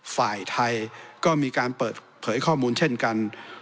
ฝ่ายไทยก็มีการเปิดเผยข้อมูลเช่นกัน